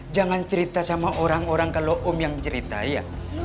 jangan cerita sama orang orang kalau om yang cerita ya